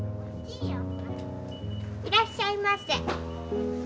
いらっしゃいませ。